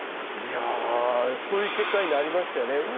いやそういう結果になりましたよね。